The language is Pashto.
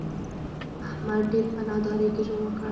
احمد ډېر په نادارۍ کې ژوند وکړ.